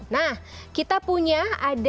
nah kita punya ada jenis diet ketiga